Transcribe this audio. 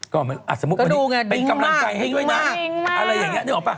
ก็ดูไงดิ้งมากดิ้งมาก